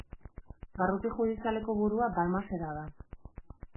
Barruti judizialeko burua Balmaseda da.